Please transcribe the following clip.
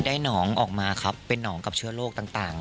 หนองออกมาครับเป็นหนองกับเชื้อโรคต่าง